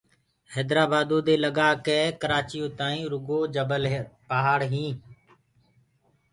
هيدرآبآدو دي لگآڪي ڪرآچيو تآئينٚ رگو جبل پهآڙينٚ